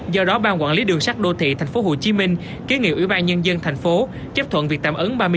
do đó ban quản lý đường sắt đô thị tp hcm ký nghị ủy ban nhân dân tp hcm chấp thuận việc tạm ứng